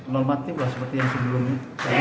nomatik lah seperti yang sebelumnya